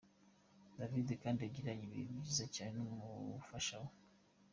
David kandi yagiranye ibihe byiza cyane n'umufasha we .